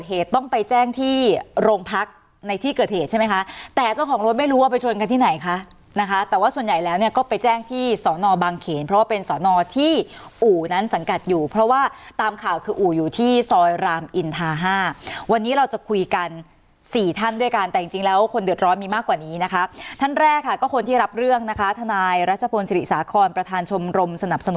ของรถไม่รู้ว่าไปชนกันที่ไหนคะนะคะแต่ว่าส่วนใหญ่แล้วก็ไปแจ้งที่สอนอบางเขนเพราะว่าเป็นสอนอที่อู่นั้นสังกัดอยู่เพราะว่าตามข่าวคืออู่อยู่ที่ซอยรามอินทาห้าวันนี้เราจะคุยกันสี่ท่านด้วยกันแต่จริงแล้วคนเดือดร้อนมีมากกว่านี้นะคะท่านแรกค่ะก็คนที่รับเรื่องนะคะทนายรัชโภนศิริสาคอนประธานชมรมสนับสน